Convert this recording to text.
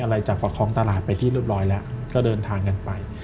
ไปที่เรียบร้อยแล้วก็เดินทางกันไป